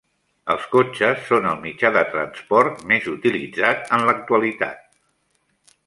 Els cotxes són el mitjà de transport més utilitzat en l'actualitat